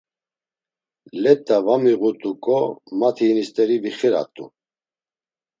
Let̆a va miğutuǩo mati hini steri vixirat̆u.